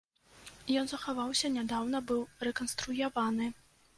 Ён захаваўся, нядаўна быў рэканструяваны.